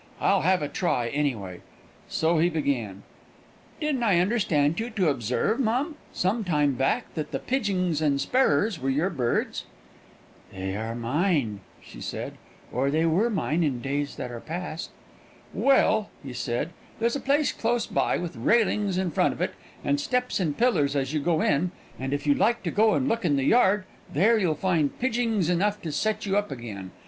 I'll have a try, anyway." So he began: "Didn't I understand you to observe, mum, some time back, that the pidgings and sparrers were your birds?" "They are mine," she said "or they were mine in days that are past." "Well," he said, "there's a place close by, with railings in front of it, and steps and pillars as you go in, and if you like to go and look in the yard there you'll find pidgings enough to set you up again.